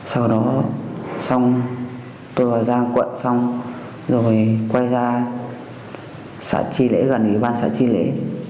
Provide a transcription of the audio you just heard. sau đó tôi vào giang quận xong rồi quay ra xã tri lễ gần ủy ban xã tri lễ